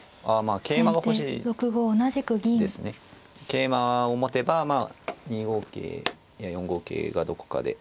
桂馬を持てばまあ２五桂や４五桂がどこかで。